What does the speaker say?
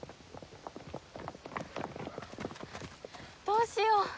どうしよう。